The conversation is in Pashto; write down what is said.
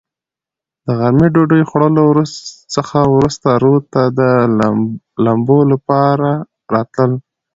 د غرمې ډوډوۍ خوړلو څخه ورورسته رود ته د لمبو لپاره راتلل.